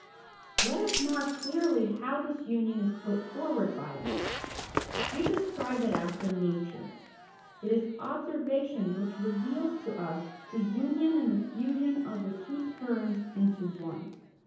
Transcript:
Let us mark clearly how this union is put forward by us. We describe it after nature. It is observation which reveals to us the union and the fusion of the two terms into one.